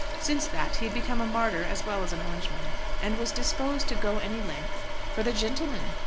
Since that he had become a martyr as well as an Orangeman, and was disposed to go any length "for the gintl'men."